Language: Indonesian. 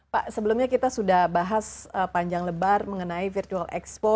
pak sebelumnya kita sudah bahas panjang lebar mengenai virtual expo